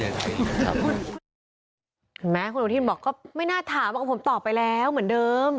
เห็นไหมคุณอนุทินบอกก็ไม่น่าถามว่าผมตอบไปแล้วเหมือนเดิม